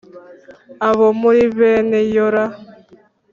Abo muri bene Yora